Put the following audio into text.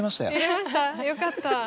よかった。